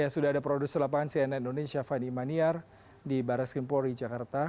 sudah ada produser lapangan cnn indonesia fani maniar di barres krimpori jakarta